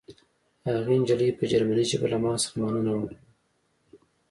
هغې نجلۍ په جرمني ژبه له ما څخه مننه وکړه